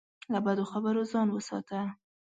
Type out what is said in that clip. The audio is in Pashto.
له بدو خبرو ځان وساته.